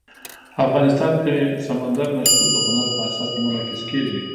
افغانستان کې سمندر نه شتون د هنر په اثار کې منعکس کېږي.